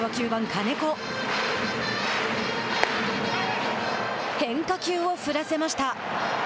変化球を振らせました。